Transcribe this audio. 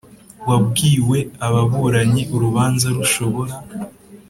Wabwiwe ababuranyi urubanza rushobora